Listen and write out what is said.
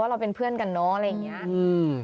เราเป็นเพื่อนกันเนอะอะไรอย่างนี้